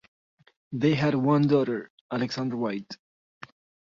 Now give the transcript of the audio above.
They had one daughter, Alexandra Whyte.